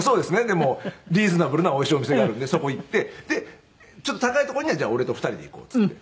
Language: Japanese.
でもリーズナブルなおいしいお店があるんでそこ行ってで「ちょっと高い所にはじゃあ俺と２人で行こう」って言って。